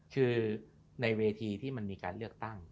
คือในเวทีที่มันมีการเลือกตั้ง